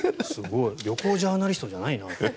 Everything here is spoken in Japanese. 旅行ジャーナリストじゃないなって。